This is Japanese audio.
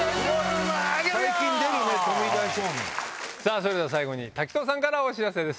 それでは最後に滝藤さんからお知らせです。